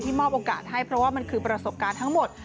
มอบโอกาสให้เพราะว่ามันคือประสบการณ์ทั้งหมด